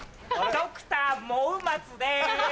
ドクターもう松です。